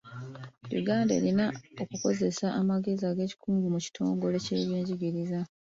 Uganda erina okukozesa amagezi ag'ekikugu mu kitongole ky'ebyenjigiriza.